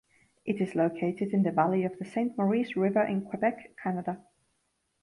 It is located in the valley of the Saint-Maurice River in Quebec, Canada.